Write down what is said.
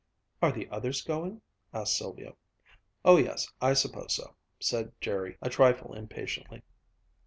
"Are the others going?" asked Sylvia. "Oh yes, I suppose so," said Jerry, a trifle impatiently.